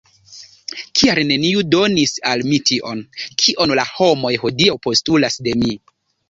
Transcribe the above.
Kial neniu donis al mi tion, kion la homoj hodiaŭ postulas de mi?